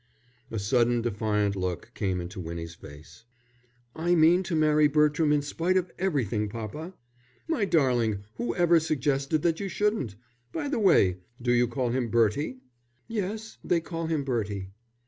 A sullen, defiant look came into Winnie's face. "I mean to marry Bertram in spite of everything, papa." "My darling, whoever suggested that you shouldn't? By the way, do they call him Bertie?" "Yes, they call him Bertie."